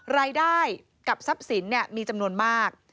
รายได้กับทรัพย์สินมีจำนวนมาก